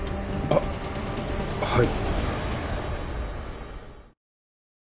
あっはい。